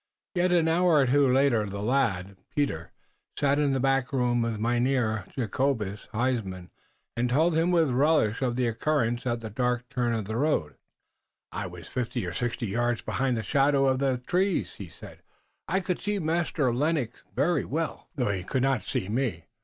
Yet an hour or two later the lad, Peter, sat in a back room with Mynheer Jacobus Huysman, and told him with relish of the occurrence at the dark turn of the road. "I was fifty or sixty yards behind in the shadow of the trees," he said. "I could see Master Lennox very well, though he could not see me.